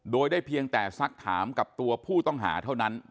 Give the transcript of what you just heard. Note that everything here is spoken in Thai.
โดยได้เพียงแต่สักถามกับตัวผู้ต้องหาเท่านั้น